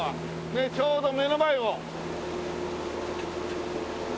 ねっちょうど目の前を。